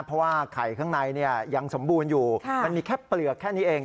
เพราะว่าไข่ข้างในยังสมบูรณ์อยู่มันมีแค่เปลือกแค่นี้เอง